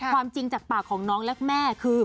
ความจริงจากปากของน้องและแม่คือ